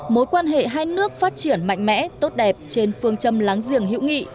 mối quan hệ hai nước phát triển mạnh mẽ tốt đẹp trên phương châm láng giềng hữu nghị